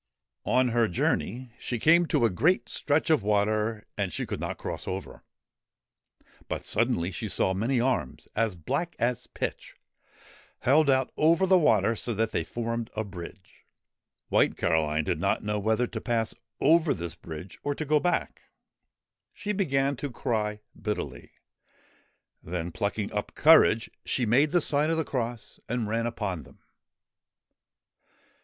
On her journey she came to a great stretch of water and she could not cross over. But suddenly she saw many arms, as black as pitch, held out over the water so that they formed a bridge. White Caroline did not know whether to pass over this bridge or to go back. She began to cry bitterly ; then, plucking up courage, she made the sign of the cross and ran upon them.